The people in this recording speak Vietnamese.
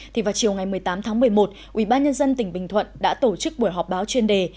thì vào chiều ngày một mươi tám tháng một mươi một ubnd tỉnh bình thuận đã tổ chức buổi họp báo chuyên đề